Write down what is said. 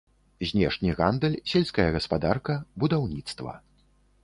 Знешні гандаль, сельская гаспадарка, будаўніцтва.